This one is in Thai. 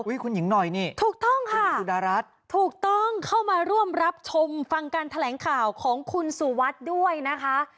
คุณหญิงหน่อยนี่ถูกต้องค่ะคุณสุดารัฐถูกต้องเข้ามาร่วมรับชมฟังการแถลงข่าวของคุณสุวัสดิ์ด้วยนะคะ